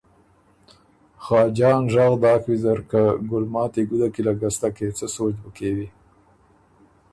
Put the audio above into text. خاجان ژغ داک ویزر که ”ګلماتی ګُده کی له ګستکې څۀ سوچ بُو کېوی؟“